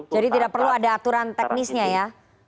jadi tidak perlu ada aturan teknisnya ya